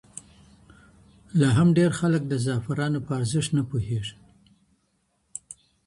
لا هم ډېر خلک د زعفرانو په ارزښت نه پوهېږي.